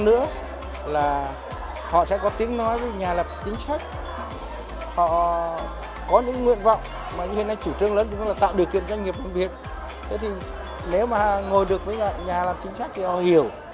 ngồi được với nhà làm chính sách thì họ hiểu